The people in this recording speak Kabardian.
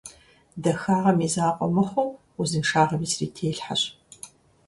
Дахагъэм и закъуэ мыхъуу, узыншагъэми срителъхьэщ.